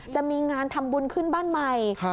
จะมีงานทำบุญขึ้นบ้านใหม่